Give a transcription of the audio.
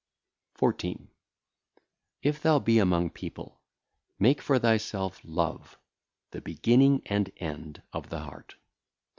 14. If thou be among people, make for thyself love, the beginning and end of the heart.